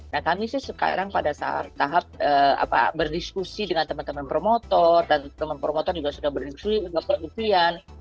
nah kami sih sekarang pada saat tahap berdiskusi dengan teman teman promotor dan teman promotor juga sudah berdiskusian